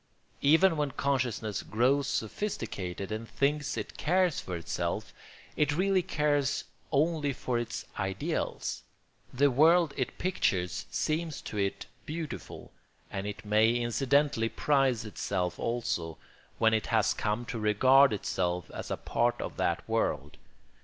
Even when consciousness grows sophisticated and thinks it cares for itself, it really cares only for its ideals; the world it pictures seems to it beautiful, and it may incidentally prize itself also, when it has come to regard itself as a part of that world.